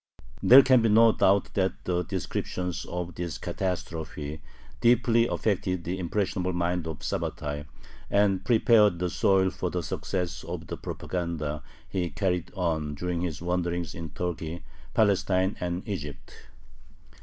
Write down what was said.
There can be no doubt that the descriptions of this catastrophe deeply affected the impressionable mind of Sabbatai, and prepared the soil for the success of the propaganda he carried on during his wanderings in Turkey, Palestine, and Egypt.